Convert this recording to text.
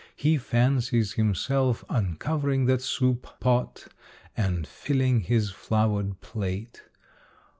He fancies himself un covering that soup pot and filling his flowered plate.